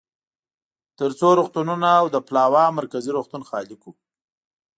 ترڅو روغتونونه او د پلاوا مرکزي روغتون خالي کړو.